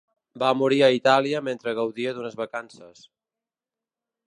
Va morir a Itàlia mentre gaudia d'unes vacances.